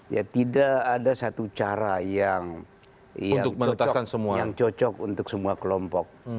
ya tidak ada satu cara yang cocok untuk semua kelompok